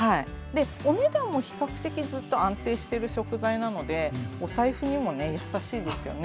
でお値段も比較的ずっと安定してる食材なのでお財布にもね優しいですよね。